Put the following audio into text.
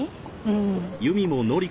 うん。